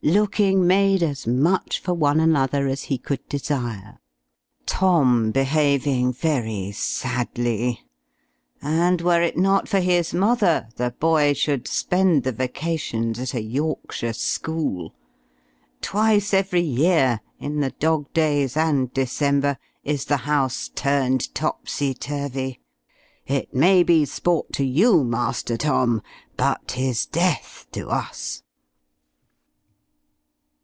looking made as much for one another as he could desire: Tom behaving very sadly; and, were it not for his mother, the boy should spend the vacations at a Yorkshire school; twice every year in the Dog days and December is the house turned topsy turvy, it may be sport to you, Master Tom, but 'tis death to us.